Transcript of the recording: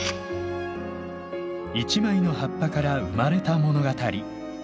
一枚の葉っぱから生まれた物語。